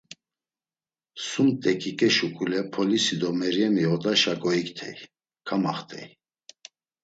Sum t̆eǩiǩe şuǩule polisi do Meryemi odaşa goiktey, kamaxt̆ey.